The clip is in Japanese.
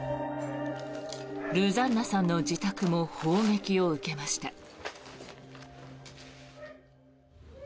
ルザンナさんの自宅も砲撃を受けました。